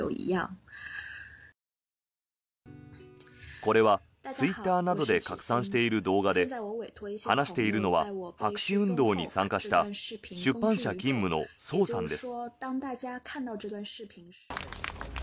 これはツイッターなどで拡散している動画で話しているのは白紙運動に参加した出版社勤務のソウさんです。